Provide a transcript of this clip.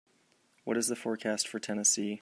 what is the forecast for Tennessee